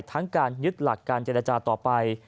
ทั้งการยึดหลักการเจรจาต่อไป